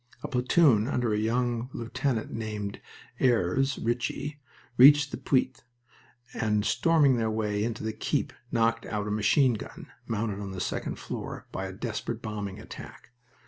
A platoon under a young lieutenant named Ayres Ritchie reached the Puits, and, storming their way into the Keep, knocked out a machine gun, mounted on the second floor, by a desperate bombing attack.